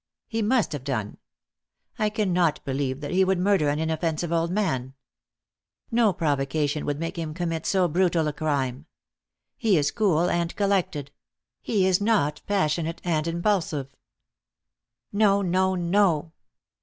He must have done. I cannot believe that he would murder an inoffensive old man. No provocation would make him commit so brutal a crime. He is cool and collected; he is not passionate and impulsive. No, no, no!